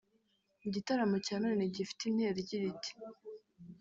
Mu gitaramo cya none gifite intero igira iti